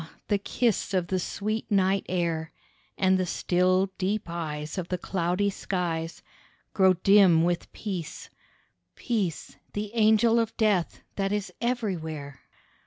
the kiss of the sweet night air, And the still, deep eyes of the cloudy skies, Grown dim with peace: Peace, the angel of death, that is everywhere.